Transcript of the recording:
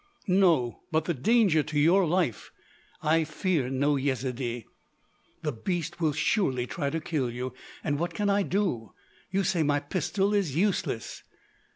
"No.... But the danger—to your life——" "I fear no Yezidee." "The beast will surely try to kill you. And what can I do? You say my pistol is useless."